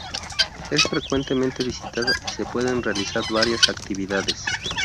Es frecuentemente visitada y se pueden realizar varias actividades.